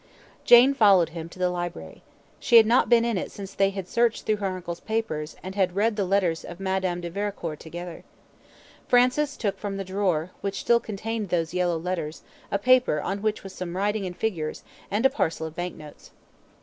Jane followed him to the library. She had not been in it since they had searched through her uncle's papers, and had read the letters of Madame de Vericourt together. Francis took from the drawer, which still contained those yellow letters, a paper on which was some writing and figures, and a parcel of bank notes.